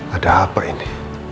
ada apa ini